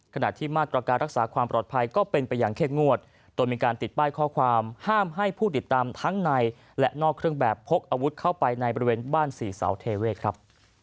ขณะที่มาตรการรักษาความปลอดภัยก็เป็นไปอย่างเข้มงวดโดยมีการติดป้ายข้อความห้ามให้ผู้ติดตามทั้งในและนอกเครื่องแบบพกอาวุธเข้าไปในบริเวณบ้านสี่เสาเทเวศครับ